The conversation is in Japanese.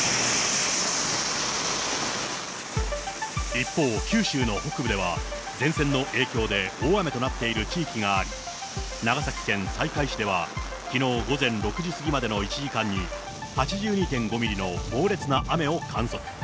一方、九州の北部では前線の影響で大雨となっている地域があり、長崎県西海市ではきのう午前６時過ぎまでの１時間に、８２．５ミリの猛烈な雨を観測。